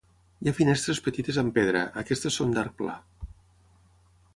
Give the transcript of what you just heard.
Hi ha finestres petites amb pedra, aquestes són d'arc pla.